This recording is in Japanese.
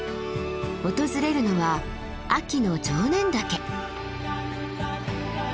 訪れるのは秋の常念岳。